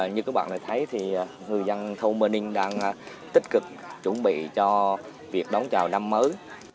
như các bạn đã thấy thì người dân thôn mơ ninh đang tích cực chuẩn bị cho việc đón chào năm mới